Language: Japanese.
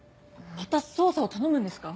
また捜査を頼むんですか？